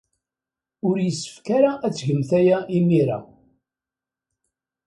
Ur yessefk ara ad tgemt aya imir-a.